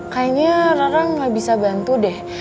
kayaknya rara nggak bisa bantu deh